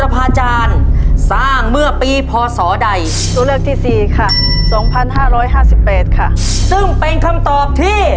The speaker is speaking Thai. พี่ท่านครับ